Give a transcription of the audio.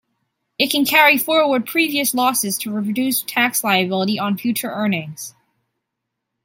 It can carry forward previous losses to reduce tax liability on future earnings.